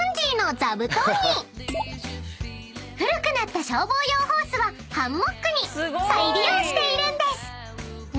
［古くなった消防用ホースはハンモックに再利用しているんです］